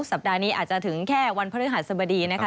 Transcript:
สัปดาห์นี้อาจจะถึงแค่วันพฤหัสบดีนะคะ